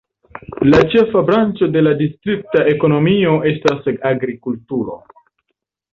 La ĉefa branĉo de la distrikta ekonomio estas agrikulturo.